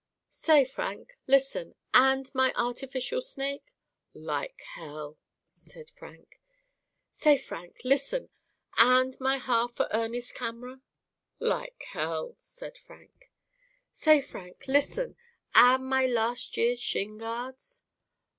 'Say Frank listen, and my artificial snake?' 'Like hell,' said Frank. 'Say Frank listen, and my half o' Ernest's camera?' 'Like hell,' said Frank. 'Say Frank listen, and my last year's shin guards?